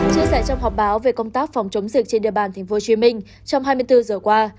chia sẻ trong họp báo về công tác phòng chống dịch trên địa bàn tp hcm trong hai mươi bốn giờ qua